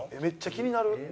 めっちゃ気になる。